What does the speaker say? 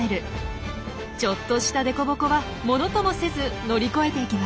ちょっとしたデコボコはものともせず乗り越えていきます。